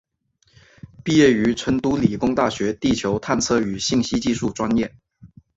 毕业于成都理工大学地球探测与信息技术专业。